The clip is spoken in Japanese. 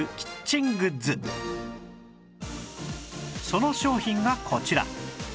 その商品がこちら